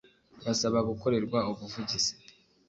basaba gukorerwa ubuvugizi